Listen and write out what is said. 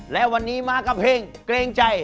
และวันนี้มากับเพลงเกรงใจ